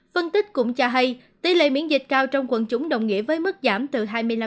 phân tích cũng cho hay tỷ lệ miễn dịch cao trong quần chúng đồng nghĩa với mức giảm từ hai mươi năm